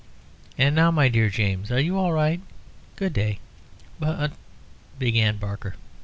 And now, my dear James, you are all right. Good day." "But " began Barker.